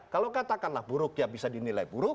kalau katakanlah buruk ya bisa dinilai